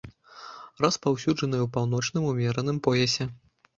Распаўсюджаная ў паўночным умераным поясе.